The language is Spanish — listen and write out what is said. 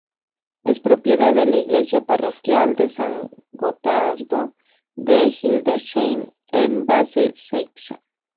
Es propiedad de la iglesia parroquial de San Gotardo de Hildesheim en Basse-Saxe.